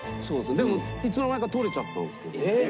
でもいつの間にか取れちゃったんですけど。